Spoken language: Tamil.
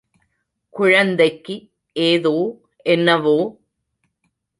குழந்தைக்கு ஏதோ என்னவோ!